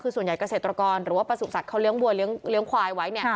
คือส่วนใหญ่เกษตรกรหรือว่าประสุทธิ์เขาเลี้ยงวัวเลี้ยงควายไว้เนี่ย